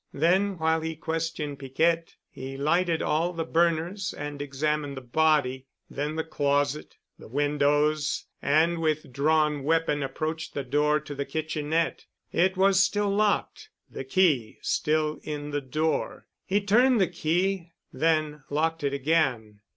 Then while he questioned Piquette he lighted all the burners and examined the body, then the closet, the windows and with drawn weapon approached the door to the kitchenette. It was still locked, the key still in the door. He turned the key—then locked it again.